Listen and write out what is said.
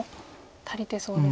足りてそうですか？